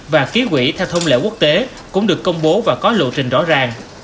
và ký quỷ theo thông lệ quốc tế cũng được công bố và có lộ trình rõ ràng